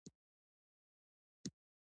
د پغمان باغونه مشهور دي.